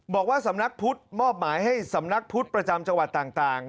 บอกว่าสำนักพุทธมอบหมายให้สำนักพุทธประจำจังหวัดต่าง